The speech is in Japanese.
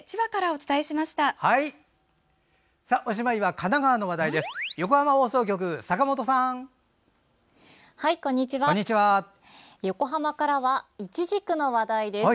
おしまいは神奈川の話題です。